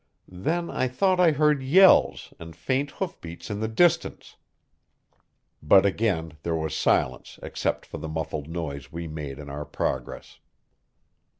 Then I thought I heard yells and faint hoof beats in the distance, but again there was silence except for the muffled noise we made in our progress.